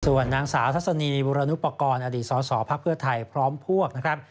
ส่วนนางสาวทัศนีบุรณุปกรณ์อดีตสสพักเพื่อไทยพร้อมพวกนะครับ